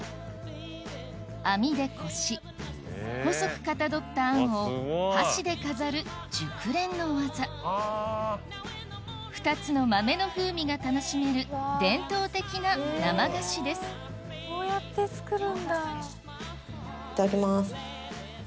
網でこし細くかたどったあんを箸で飾る熟練の技２つの豆の風味が楽しめる伝統的な生菓子ですいただきます。